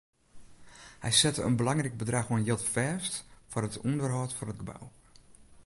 Hy sette in belangryk bedrach oan jild fêst foar it ûnderhâld fan it gebou.